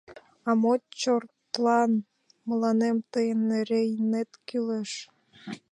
А мо чортлан мыланем тыйын Рейнет кӱлеш?